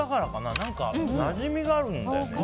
何かなじみがあるんだよね。